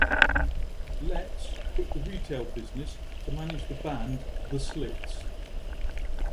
Letts quit the retail business to manage the band The Slits.